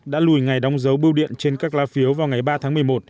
đã lùi ngày đóng dấu bưu điện trên các lá phiếu vào ngày ba tháng một mươi một